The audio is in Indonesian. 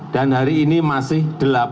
dan hari ini masih delapan puluh